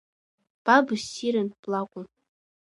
Ба быссирын, блакәын.